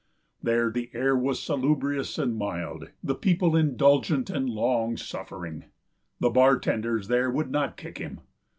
There the air was salubrious and mild; the people indulgent and long suffering. The bartenders there would not kick him.